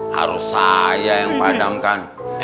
harus saya yang padamkan